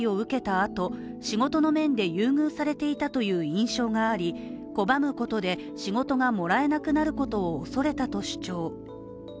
あと、仕事の面で優遇されていたという印象があり拒むことで仕事がもらえなくなることを恐れたと主張。